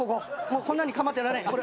もうこんなんに構ってられん。